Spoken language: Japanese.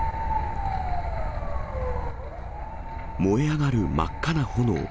燃え上がる真っ赤な炎。